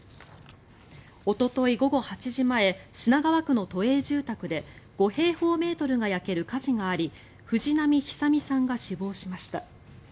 おととい午後８時前品川区の都営住宅で５平方メートルが焼ける火事があり藤波久美さんが死亡しました。